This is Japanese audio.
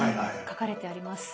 書かれてあります。